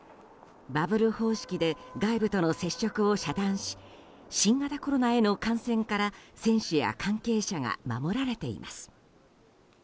バブル方式で外部との接触を遮断し新型コロナへの感染から選手や関係者が守られています。